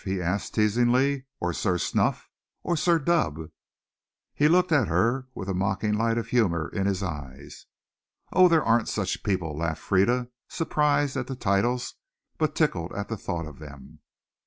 he asked teasingly, "or Sir Stuff? or Sir Dub?" He looked at her with a mocking light of humor in his eyes. "Oh, there aren't such people," laughed Frieda, surprised at the titles but tickled at the thought of them.